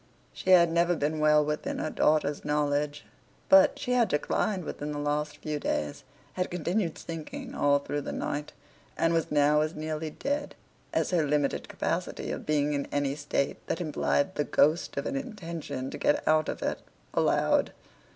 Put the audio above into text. She had never been well within her daughter's knowledge; but, she had declined within the last few days, had continued sinking all through the night, and was now as nearly dead, as her limited capacity of being in any state that implied the ghost of an intention to get out of it, allowed.